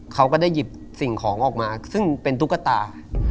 เขาก็ได้หยิบสิ่งของออกมาซึ่งเป็นตุ๊กตา